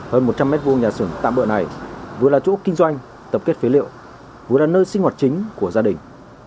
hơn một trăm linh mét vuông nhà xưởng tạm bợ này vừa là chỗ kinh doanh tập kết phế liệu vừa là nơi sinh hoạt chính của gia đình